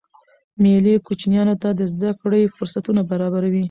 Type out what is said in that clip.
مېلې کوچنيانو ته د زدهکړي فرصتونه برابروي.